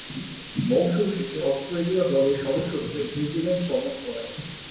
মৌসুম শেষে অস্ট্রেলিয়া দলের সদস্যরূপে নিউজিল্যান্ড গমন করেন।